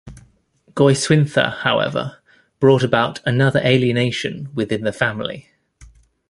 Goiswintha, however, brought about another alienation within the family.